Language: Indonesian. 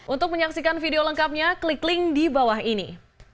untuk menyaksikan video lengkapnya klik link di bawah ini